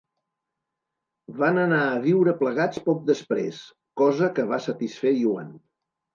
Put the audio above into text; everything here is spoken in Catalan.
Van anar a viure plegats poc després, cosa que va satisfer Yuan.